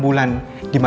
aku mau ke rumah